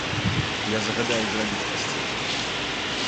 Я загадаю зрабіць пасцель.